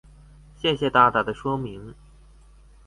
謝謝大大的說明